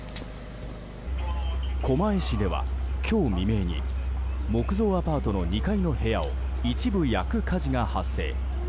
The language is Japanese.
狛江市では今日未明に木造アパートの２階の部屋を一部焼く火事が発生。